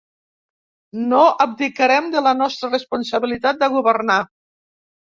No abdicarem de la nostra responsabilitat de governar.